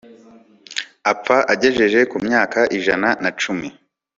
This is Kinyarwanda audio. apfa agejeje ku myaka ijana na cumi